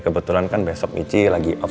kebetulan kan besok ici lagi off